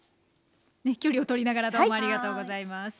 距離をとりながらどうもありがとうございます。